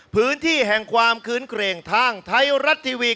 พื้นที่แห่งความคืนเกรงทางไทยรัฐทีวี